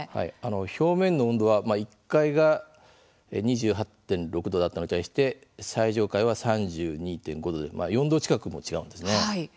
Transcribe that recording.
表面の温度は、１階が２８．６度だったのに対して最上階は３２．５度で４度近くも違うんですね。